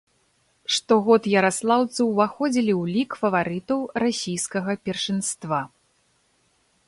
Штогод яраслаўцы ўваходзілі ў лік фаварытаў расійскага першынства.